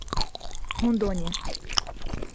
Rondônia